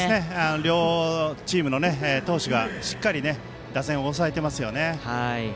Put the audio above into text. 両チームの投手がしっかり打線を抑えていますね。